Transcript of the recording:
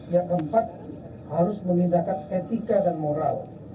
yang keempat harus mengindahkan etika dan moral